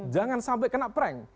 jangan sampai kena prank